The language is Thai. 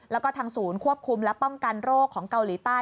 แล้วก็ทางศูนย์ควบคุมและป้องกันโรคของเกาหลีใต้